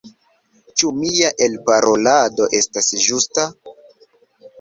Ĉu mia elparolado estas ĝusta?